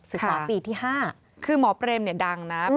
ศูนย์ศาสตร์ปีที่ห้าคือหมอเตร็มเนี่ยดังน่ะเอื้อ